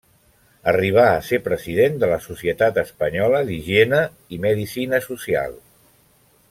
Arribà a ser president de la Societat Espanyola d'Higiene i Medicina Social.